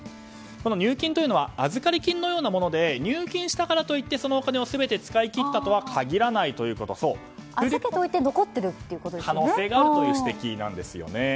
入金は預り金のようなもので入金したからと言ってそのお金を全て使い切ったとは嘘をついてその可能性があるという指摘ですね。